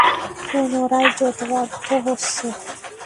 পুনরায় জোটবদ্ধ হচ্ছে।